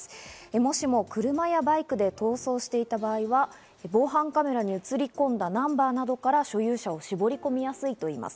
もしも車やバイクで逃走していた場合は、防犯カメラに映り込んだナンバーなどから所有者を絞り込みやすいといいます。